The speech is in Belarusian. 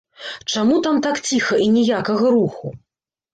Чаму там так ціха і ніякага руху?